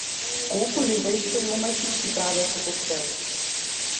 Колку ли вешто и умешно си правеше коктел!